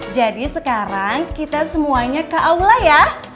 jadi sekarang kita semuanya ke aula ya